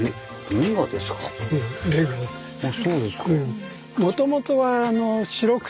あそうですか。